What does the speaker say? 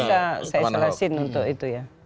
bisa saya isolasi untuk itu ya